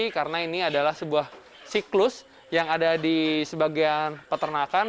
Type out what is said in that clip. karena ini adalah sebuah siklus yang ada di sebagian peternakan